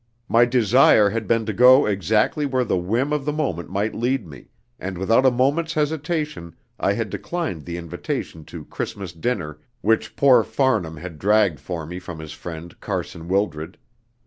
My desire had been to go exactly where the whim of the moment might lead me, and without a moment's hesitation I had declined the invitation to "Christmas dinner" which poor Farnham had dragged for me from his friend, Carson Wildred.